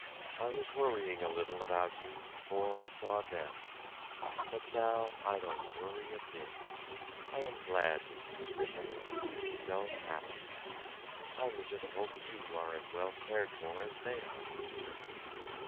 I was worrying a little about you before I saw them. But now I won't worry a bit. I am glad to see prisoners can be so happy. I will just hope you are as well cared for as they are....